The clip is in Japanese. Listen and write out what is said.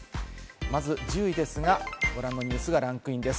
まず１０位ですが、ご覧のニュースがランクインです。